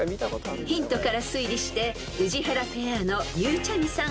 ［ヒントから推理して宇治原ペアのゆうちゃみさん